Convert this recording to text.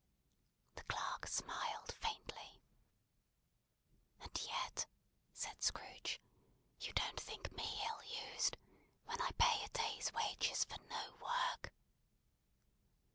The clerk smiled faintly. "And yet," said Scrooge, "you don't think me ill used, when I pay a day's wages for no work."